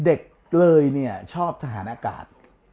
เด็กเลยเนี่ยชอบทหารอากาศ